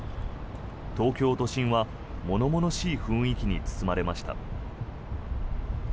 東京都心は物々しい雰囲気に包まれました。